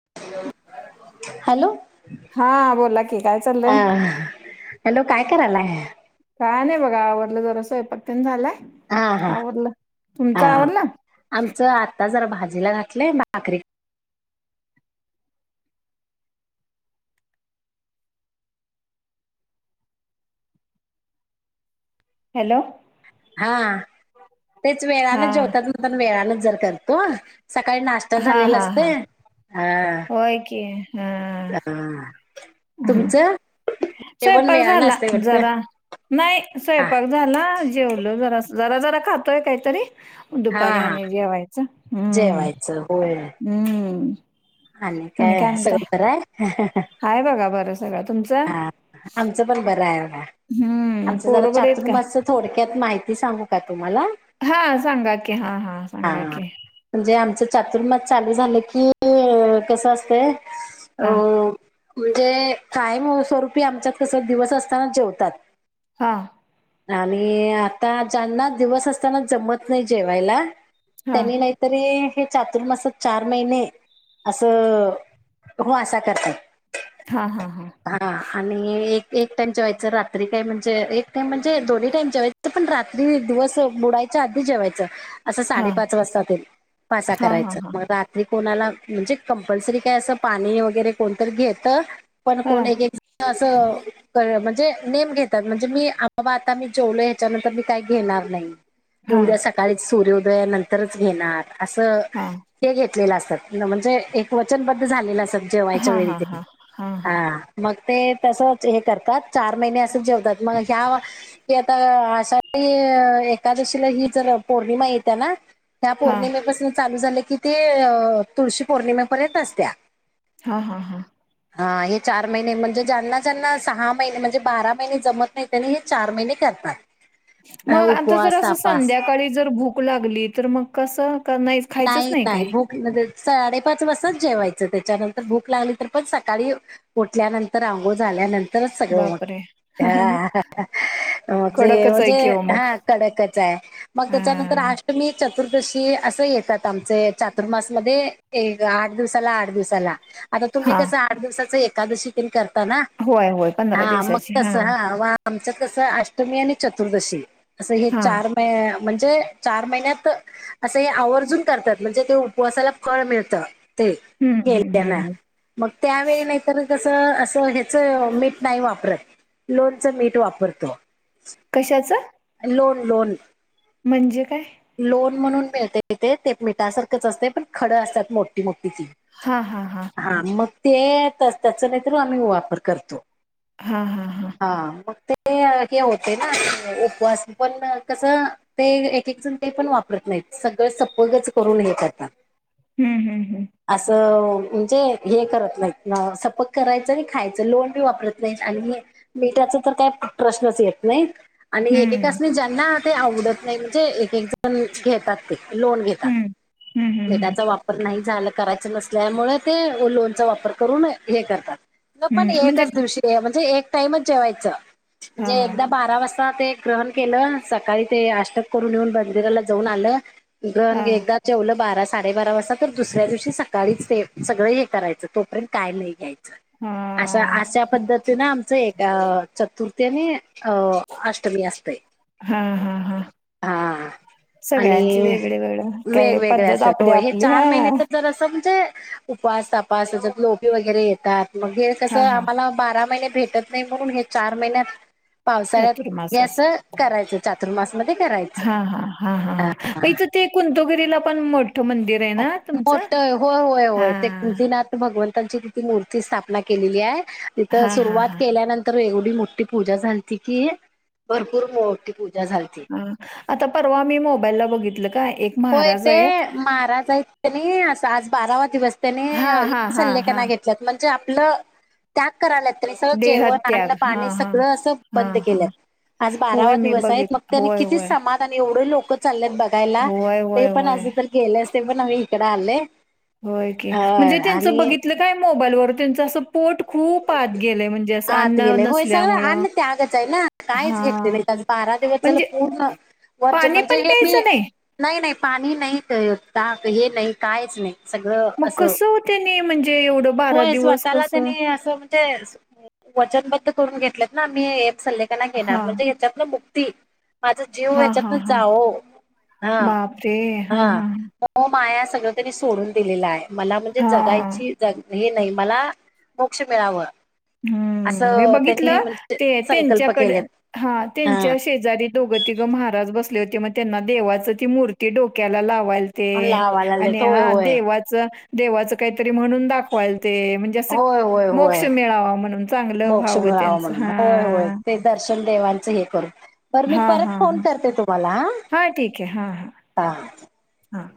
[inaudible] Hello, हा बोला की काय अ चाललंय हॅलो काय कराला आहे. काय नाही बघा आवरलं जरा स्वयंपाकतेन झालायं. हा, हा, हा. आवरलं आमचं आता जरा भाजीला घातलंय. भाकरी हॅलो. हा तेच वेळाला हा जेवतात म्हणताना वेळानच जर करतो. सकाळी नाश्ता हा झालेला हा हा असतयं. होय की. हा हा [inaudible] जेवण स्वयंपाक वेळानं झाला असते वाटतं जरा नाही हा स्वयंपाक झाला जेवलो जरा जरा जरा खातोय काहीतरी. हा दुपारी हा आणि जेवायचं, हम्म जेवायचं होय हम्म. आणि काय सगळं बरायं? हाय बघा बरं सगळं. तुमचं? आमचं पण बरं आहे हम्म आमचं जरा पोरं बरी आहेत का चातुर्मासच थोडक्यात माहिती सांगू काय? तुम्हाला हा सांगा की हा सांगा हा, की म्हणजे आमच - - चातुर्माद चालू झालं की कस असतंय अ हा म्हणजे कायम स्वरूपी आमच्यात कस दिवस असताना जेवतात. हा. आणि आता ज्यांना दिवस असताना जमत नाही जेवायला. हा त्यांनी नाहीतरी हे चातुर्मासात चार महिने असं हो असा करत हां हां हां हा आणि एक - एक टाइम जेवायचं रात्री काय म्हणजे एक टाइम म्हणजे दोन्ही टाईम जेवायचं पण रात्री दिवस बुडायच - च्या आधी जेवायचं असं हां साडेपाच, वाजता ते वासा हां हां करायचं. हां मग रात्री कोणाला - म्हणजे कंपल्सरी काय असं पाणी वगैरे कोणतरी घेत - पण कोण हां एक एक असं म्हण - जे नेम घेतात म्हणजे मी बाबा आता मी जेवलो ह्याच्यानंतर मी काही घेणार नाही. हां उद्या सकाळीच सूर्योदयानंतरच घेणार असं हे घेतलेलं असत. म्हणजे एक वचनबद्ध झालेला अस जेवायच्या हां हां वेळी हां तरी हां हां हां हा मग - ते तसच हे करतात चार महिने असं जेवतात मग ह्या क आता अशा - [unintelligible] एकादशीला ही जर पौर्णिमा येत्या ना त्या पौर्णिमेपासून चालू झाले की ते तुळशी पौर्णिमेपर्यंत असत्या - हां हां हां हा हे चार महिने म्हणजे ज्यांना- ज्यांना सहा महिने म्हणजे बारा महिने जमत नाही त्यांनी हे चार महिने करतात. अ, मग आता जर उपवास अस तापास संध्याकाळी जर भूक लागली तर मग कस - नाही- नाही भूक म्हणजे साडेपाच वाजताच जेवायच त्याच्यानंतर भूक लागली तर पण सकाळी उठल्यानंतर अंघोळ झाल्यानंतर - तरच सगळं बापरे ह हा हां ते कडकच आहे म्हणजे कि ओ मग हा कडकच आहे. मग त्याच्यानंतर अं, अष्टमी - चतुर्दशी असं येतात आमचे चातुर्मास मध्ये एक आठ दिवसाला आठ दिवसाला - आता तुम्ही हा कसं, आठ दिवसाच एकादशी करता बघा होय होय पंधरा हां मग दिवसाची हा तस हं वाम आमच्यात कसं अष्टमी आणि चतुर्दशी असं हे हा चार म म्हणजे चार महिन्यात तर असं हे आवर्जून करतात. म्हणजे ते उपवासाला फळ मिळतं. ते.. हम्म हम्म केल्यान... हम्म मग त्यावेळी नाही तर च असं ह्याच मीठ नाही. वापरत लोणचं मीठ वापरतो. कशाच? लोन लोन.. म्हणजे काय? लोन म्हणून मिळते ते मिठासारखेच असते. पण खडं असतात. मोठी मोठी हा हा हा.. मग ते त्याचा नाही तर आम्ही वापर करतो. हा हा हा. ते हे होतय ना उपवास पण कसं ते एक एक जण ते पण वापरत नाहीत. सगळं सपोग्याच करून हे करतात.. हम्म हम्म असं म्हणजे हे करत नाही सपक करायचं आणि खायचं लोन पण वापरत नाही. आणि मी त्याचा तर काही प्रश्नच येत नाही. आणि हम्म एकेकाना ज्यांना ते आवडत नाही. म्हणजे एक एक जण घेतात. लोन घेतात. हम्म हम्म हम्म हम्म हम्म मीठाचा वापर नाही झाला करायच नसल्यामुळे ते लोनचा वापर करून हे करतात. मग पण हम्म म्हणजे एकच दिवशी म्हणजे एक टाइमच जेवायच. हा म्हणजे एकदा बारा वाजता ते, ग्रहण केलं. सकाळी ते अष्टक करून येऊन मंदिराला जाऊन आलं. हा ग्रहण एकदाच जेवल बारा साडेबारा वाजता. तर दुसऱ्या दिवशी सकाळीच ते सगळं हे करायचं. तोपर्यंत काय नाही घ्यायचं. हा अश्या अश्या पद्धतीने आमचं ए चतुर्थी आणि अ अष्टमी असतय हा हा हा हा. सगळ्यांची आणि वेगळी वेगळ काय वेगवेगळे पद्धत असतात. आपली हो हे आपली चार हा महिन्याच जर असं म्हणजे उपास तपास लोपी वगैरे येतात. म्हणजे कस हा हा आम्हाला बारा महिने. भेटत नाही म्हणून हे चार महिन्यात पावसाळ्यात हे अस चातुर्मासाच करायचं चातुर्मास मध्ये करायचं. हा हा हा हा हा इथं ते कुंतवगिरीला पण मंदिर आहे ना तुमचं मोठ होय होय हा होय ते नाथ भगवंत त्यांची मूर्ती स्थापना केलेली आहे. तिथ हा हा सुरुवात हा केल्यानंतर वेग मोठी पूजा झालती की, भरपूर मोठी पूजा झालती. हा आता परवा मी मोबाईलला बघितलं का? एक होय महाराज ते आहेत महाराज आहेत त्यांनी, असं आज बारावा दिवस त्यांनी हा हा इ हा हा सल्लेकना घेतल्यात म्हणजेच आपलं... त्यात करातात सगळ जेवण अन्न देहत्याग हा पाणी हा सगळं असं हा बंद हा केलंत. आज होय बारावा मी दिवस आहेत. बघित मग त्यानी होय कितीच होय समाधान आणि एवढं लोक लोक चाललेत बघायला.. होय ते होय पण होय असं तर गेले असते, पण आम्ही इकडे आले. होय की अ म्हणजे त्यांच आणि बघितलं काय मोबाईलवर त्यांच अस पोट खूप आत गेलंय म्हणजे असं आत अन्न गेले. होय सगळ नसल्यामुळं. अन्न त्यागच आहे ना काहीच घेतले हां. नाही का बारा दिवस चला म्हणजे पूर्ण वर्ज पाणी म्हणजे पण हे मी प्यायचं नाही? नाही नाही पाणी नाही. का हे नाही कायच नाही. सगळं मग असं.. कसं ओ त्यांनी म्हणजे एवढं होय दिवस स्वतःला कसं? त्यांनी असं म्हणजे त्यानी वचनबद्ध करून घेतलेत ना. आम्ही सल्लेख हां. माझा जीव या हां, याच्यात हां, हां. जीवो... हा बापरे! हां, हा हां, म माया सगळं तरी सोडून दिलेलं आहे. मला म्हणजे हां. जगायची ज हे नाही मला मोक्ष मिळावं. हं मी असं त्यांनी बघितलं म्हणजे ते संकल्प त्यांच्याकडे केलेत हा त्यांच्या शेजारी दोघ तिघं महाराज बस हो मग त्यांना देवाचं मूर्ती डोक्याला ला लावा लागलेत आणि होय हा होय देवाच देवाच काही म्हणून दाखवाल ते म्हणजे अस होय होय मोक्ष होय मिळावा म्हणून चांगलं मोक्ष व्हावं मिळावा त्यांचं म्हणून हा होय होय ते दर्शन देवांचं हे करू बर मी हा परत हा फोन हा करते तुम्हाला हा ठीक आहे हा हा हा हां